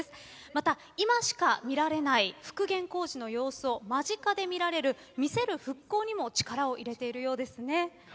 また、今しか見られない復元工事の様子を間近で見られる見せる復興にも力を入れているようですね。